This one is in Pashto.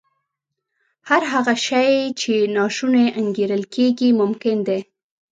هر هغه شی چې ناشونی انګېرل کېږي ممکن دی